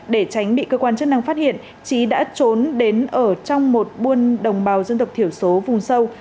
để tránh bị cơ quan chức năng phát hiện trí đã trốn đến ở trong một buôn đồng bào dân tộc thiểu số vùng sâu